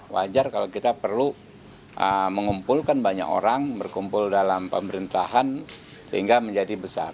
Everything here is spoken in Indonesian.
wajar kalau kita perlu mengumpulkan banyak orang berkumpul dalam pemerintahan sehingga menjadi besar